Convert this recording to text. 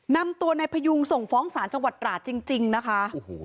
นำตัวนายพยุงส่งฟ้องศาลจังหวัดราชจริงนะคะ